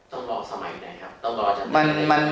ต้องบอกสมัยไหนครับ